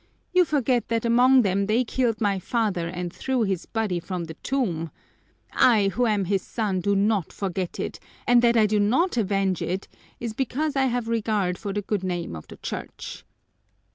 You forget that among them they killed my father and threw his body from the tomb! I who am his son do not forget it, and that I do not avenge it is because I have regard for the good name of the Church!"